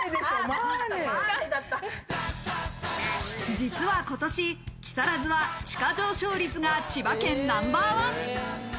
実は今年、木更津は地価上昇率が千葉県ナンバーワン。